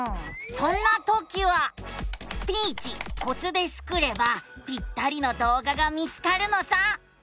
そんなときは「スピーチコツ」でスクればぴったりの動画が見つかるのさ。